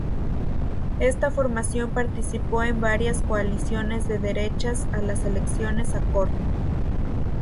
Esta formación participó en varias coaliciones de derechas a las elecciones a Cort.